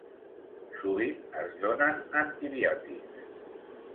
Sovint es donen antibiòtics.